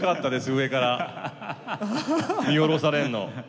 上から見下ろされるの。